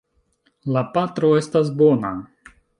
La patro estas bona.